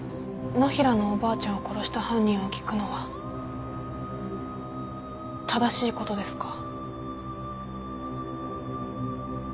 野平のおばあちゃんを殺した犯人を聞くのは正しいことですか？